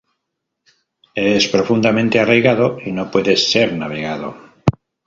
Es profundamente arraigado y no puede ser navegado.